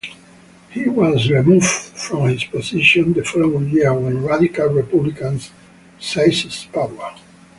He was removed from his position the following year when Radical Republicans seized power.